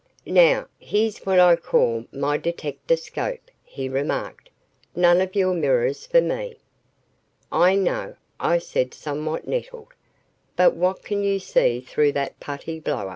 "Now, here's what I call my detectascope," he remarked. "None of your mirrors for me." "I know," I said somewhat nettled, "but what can you see through that putty blower?